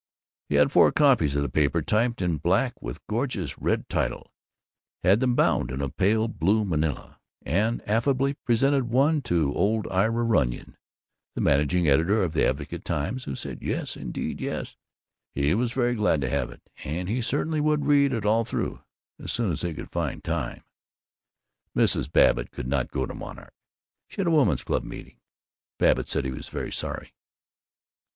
He had four copies of the paper typed in black with a gorgeous red title, had them bound in pale blue manilla, and affably presented one to old Ira Runyon, the managing editor of the Advocate Times, who said yes, indeed yes, he was very glad to have it, and he certainly would read it all through as soon as he could find time. Mrs. Babbitt could not go to Monarch. She had a women's club meeting. Babbitt said that he was very sorry.